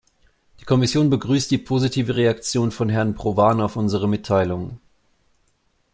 Die Kommission begrüßt die positive Reaktion von Herrn Provan auf unsere Mitteilung.